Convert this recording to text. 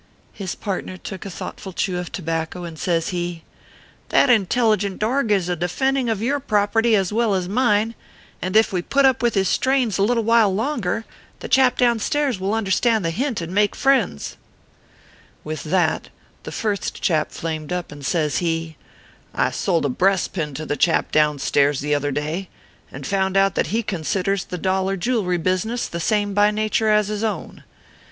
His partner took a thoughtful chew of tobacco, and says he :" That intelligent dorg is a defending of your prop erty as well as mine, and if we put up with his strains ORPHEUS C. KERR PAPERS. 363 a little while longer, the chap clown stairs will under stand the hint and make friends/ With that the first chap flamed up, and says he :" I sold a breast pin to the chap down stairs the other day, and found out that he considers the dollar jewelry business the same by nature as his own.